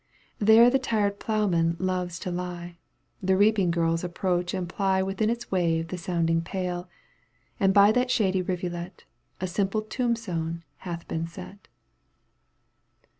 There the tired ploughman loves to lie, The reaping girls approach and ply Within its wave the sounding pail, And by that shady rivulet A simple tombstone hath been set.